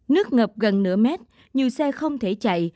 nước ngập gần nửa mét nhiều xe không thể chạy